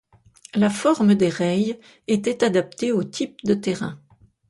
La forme des reilles était adaptée au type de terrain.